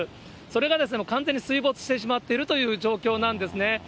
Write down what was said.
それが完全に水没してしまっているという状況なんですね。